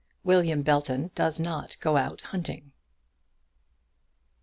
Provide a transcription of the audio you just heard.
WILLIAM BELTON DOES NOT GO OUT HUNTING.